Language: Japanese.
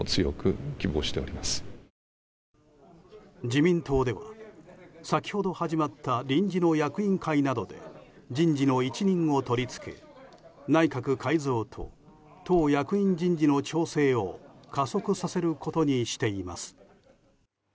自民党では先ほど始まった臨時の役員会などで人事の一任を取りつく内閣改造と党役員人事の調整を加速させることにしています。